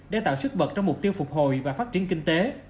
để tạo sức bật cho mục tiêu phục hồi và phát triển kinh tế